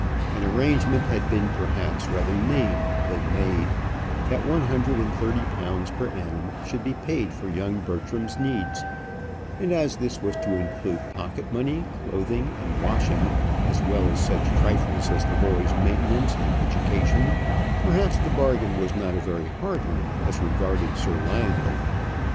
An arrangement had been perhaps rather named than made, that one hundred and thirty pounds per annum should be paid for young Bertram's needs; and as this was to include pocket money, clothing, and washing, as well as such trifles as the boy's maintenance and education, perhaps the bargain was not a very hard one as regarded Sir Lionel.